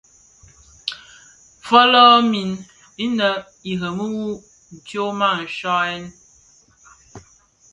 Fölömin innë irèmi wu tyoma nshiaghèn.